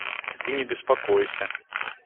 Ты не беспокойся.